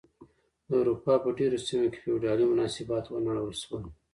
د اروپا په ډېرو سیمو کې فیوډالي مناسبات ونړول شول.